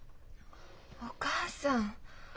お母さん。